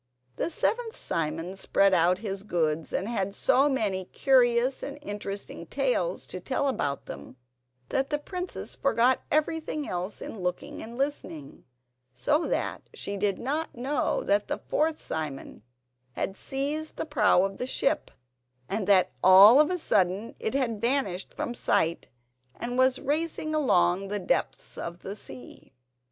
The seventh Simon spread out his goods, and had so many curious and interesting tales to tell about them, that the princess forgot everything else in looking and listening, so that she did not know that the fourth Simon had seized the prow of the ship, and that all of a sudden it had vanished from sight, and was racing along in the depths of the sea.